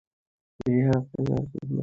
রেহান আপনাকে আর কখনও জ্বালাবে না।